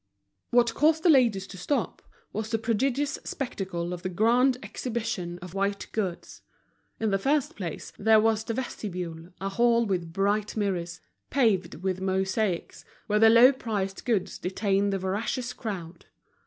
What caused the ladies to stop was the prodigious spectacle of the grand exhibition of white goods. In the first place, there was the vestibule, a hall with bright mirrors, paved with mosaics, where the low priced goods detained the voracious crowd.